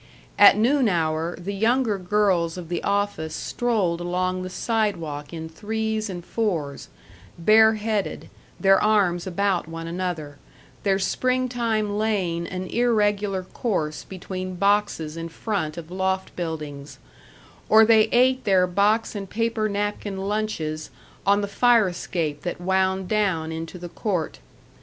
At noon hour the younger girls of the office strolled along the sidewalk in threes and fours, bareheaded, their arms about one another, their spring time lane an irregular course between boxes in front of loft buildings; or they ate their box and paper napkin lunches on the fire escape that wound down into the court.